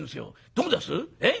どうですえ？